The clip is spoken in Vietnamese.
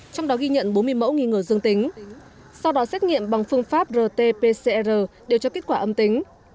trong đó ghi nhận bốn mươi mẫu nghi ngờ dương tính sau đó xét nghiệm bằng phương pháp rt pcr đều cho kết quả âm tính